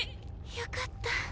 よかった。